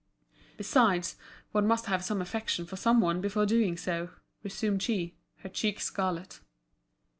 "Besides, one must have some affection for some one before doing so," resumed she, her cheeks scarlet.